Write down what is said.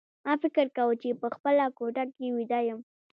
ما فکر کاوه چې په خپله کوټه کې ویده یم